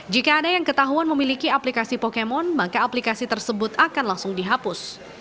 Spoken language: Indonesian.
jika ada yang ketahuan memiliki aplikasi pokemon maka aplikasi tersebut akan langsung dihapus